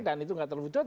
dan itu tidak terwujud